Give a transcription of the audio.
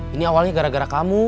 ini awalnya gara gara kamu